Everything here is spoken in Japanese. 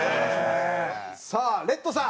さあレッドさん。